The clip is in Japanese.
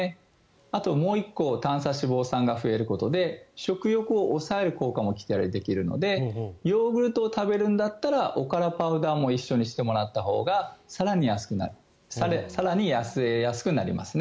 あと、もう１個短鎖脂肪酸が増えることで食欲を抑える効果も期待できるのでヨーグルトを食べるんだったらおからパウダーも一緒にしてもらったほうが更に痩せやすくなりますね。